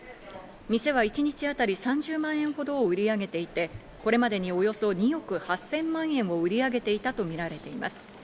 店は一日当たり３０万円ほどを売り上げていて、これまでにおよそ２億８０００万円を売り上げていたとみられています。